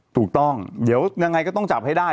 ถูกต้องเดี๋ยวยังไงก็ต้องจับให้ได้